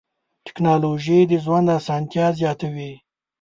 ټکنالوجي د ژوند اسانتیا زیاتوي.